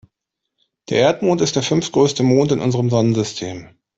Der Erdmond ist der fünftgrößte Mond in unserem Sonnensystem.